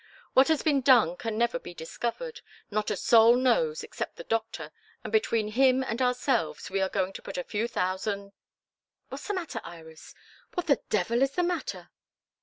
What has been done can never be discovered. Not a soul knows except the doctor, and between him and ourselves we are going to put a few thousand What's the matter, Iris? What the devil is the matter?"